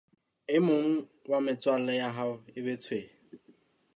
E mong wa metswalle ya hao e be tshwene.